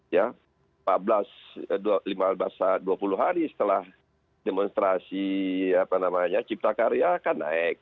ya lima belas dua puluh hari setelah demonstrasi cipta karya akan naik